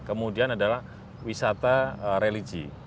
kemudian adalah wisata religi